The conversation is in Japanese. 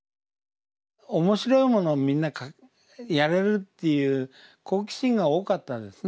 面白いものをみんなやれるっていう好奇心が多かったんですね。